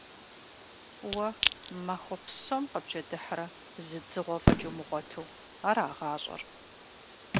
Уэ махуэ псом къэбджэдыхьрэ зы дзыгъуэ фӀэкӀ умыгъуэту, ара гъащӀэр?